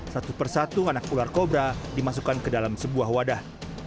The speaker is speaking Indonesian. satu persatu anak ular kobra dimasukkan ke dalam sebuah wadah